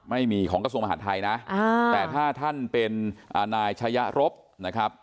ไม่มีของกระทรวงมหาดไทยนะแต่ถ้าท่านเป็นนายชะยะรบนะครับ